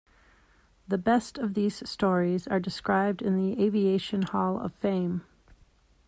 The best of these stories are described in the Aviation Hall of Fame.